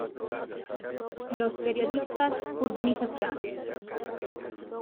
Los Periodistas, Urb.